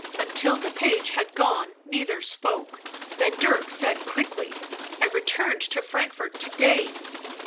Until the naue had gone neither spoke, then Dirk said quickly^ S 1 returned to Frankfort to day."